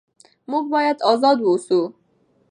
موږ باید ازاد واوسو.